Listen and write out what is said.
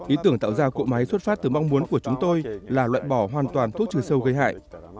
ý tưởng tạo ra cỗ máy xuất phát từ mong muốn của chúng tôi là loại bỏ hoàn toàn thuốc trừ sâu gây hại